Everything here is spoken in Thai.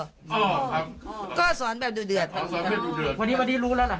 แม่ของแม่ชีอู๋ได้รู้ว่าแม่ของแม่ชีอู๋ได้รู้ว่า